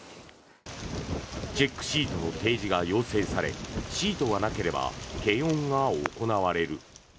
チェックシートの提示が要請されシートがなければ検温が行われる。